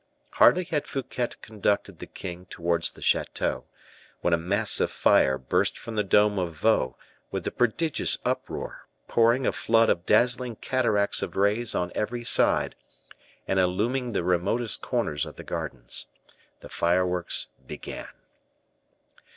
Hardly had Fouquet conducted the king towards the chateau, when a mass of fire burst from the dome of Vaux, with a prodigious uproar, pouring a flood of dazzling cataracts of rays on every side, and illumining the remotest corners of the gardens. The fireworks began.